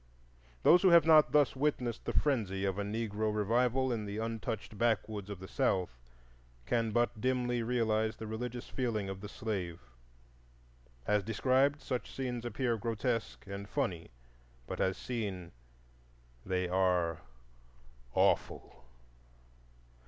Those who have not thus witnessed the frenzy of a Negro revival in the untouched backwoods of the South can but dimly realize the religious feeling of the slave; as described, such scenes appear grotesque and funny, but as seen they are awful.